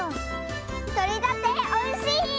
とれたておいしい！